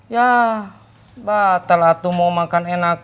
ya bahtelatu mau makan enak